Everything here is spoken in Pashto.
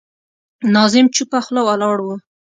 ناظم چوپه خوله ولاړ و.